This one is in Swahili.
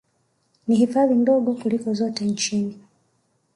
Ni hifadhi ndogo kuliko zote nchini